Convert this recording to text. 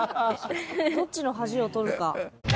どっちの恥をとるか。